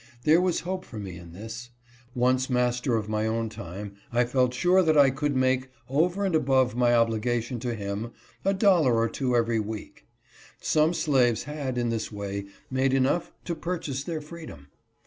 There was hope for me in this. Once master of my own time, I felt sure that I could make, over and above my obligation to him, a dollar or 236 HIS REQUEST GRANTED. two every week. Some slaves had, in this way, made enough to purchase their freedom.